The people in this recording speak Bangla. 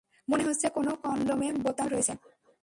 মনে হচ্ছে কোনো কন্ডমে বোতাম লাগানো রয়েছে।